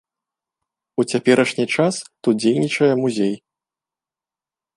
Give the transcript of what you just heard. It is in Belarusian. У цяперашні час тут дзейнічае музей.